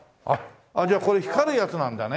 じゃあこれ光るやつなんだね。